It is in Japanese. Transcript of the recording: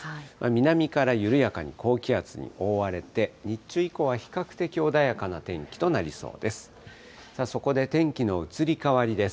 南から緩やかに高気圧に覆われて、日中以降は比較的穏やかな天気となりそうです。